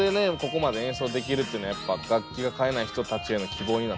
ここまで演奏できるっていうのやっぱ楽器が買えない人達への希望になってますよね。